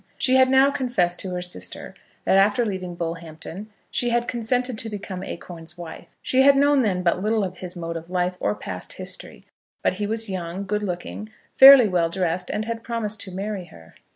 She had now confessed to her sister that, after leaving Bullhampton, she had consented to become Acorn's wife. She had known then but little of his mode of life or past history; but he was young, good looking, fairly well dressed, and had promised to marry her.